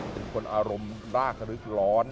เป็นคนอารมณ์รากระลึกร้อน